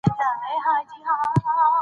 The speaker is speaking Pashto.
سلیمان غر په اوږده تاریخ کې ذکر شوی.